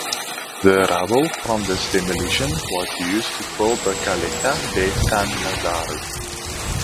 The rubble from this demolition was used to fill the Caleta de San Lazaro.